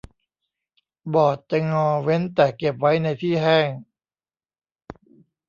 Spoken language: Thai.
บอร์ดจะงอเว้นแต่เก็บไว้ในที่แห้ง